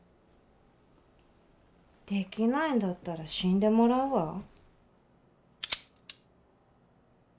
できないんだったら死んでもらうわ。